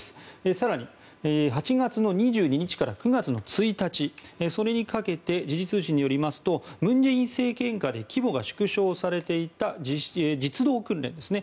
更に、８月の２２日から９月の１日それにかけて時事通信によりますと文在寅政権下で規模が縮小されていた実動訓練ですね